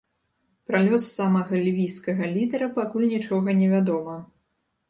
Пра лёс самага лівійскага лідара пакуль нічога невядома.